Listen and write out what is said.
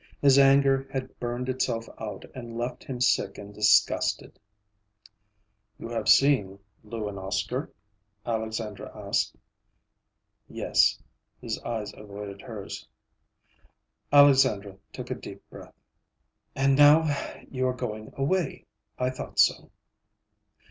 His anger had burned itself out and left him sick and disgusted. "You have seen Lou and Oscar?" Alexandra asked. "Yes." His eyes avoided hers. Alexandra took a deep breath. "And now you are going away. I thought so."